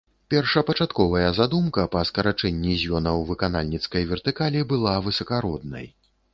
Першапачатковая задумка па скарачэнні звёнаў выканальніцкай вертыкалі была высакароднай.